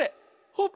ほっ！